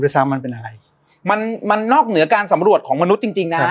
ซ้ำมันเป็นอะไรมันมันนอกเหนือการสำรวจของมนุษย์จริงจริงนะฮะ